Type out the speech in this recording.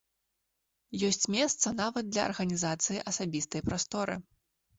Ёсць месца нават для арганізацыі асабістай прасторы.